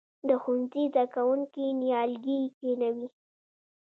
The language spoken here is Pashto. د ښوونځي زده کوونکي نیالګي کینوي؟